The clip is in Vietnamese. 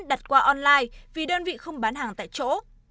đặt qua online vì đơn vị không bán hàng tại chỗ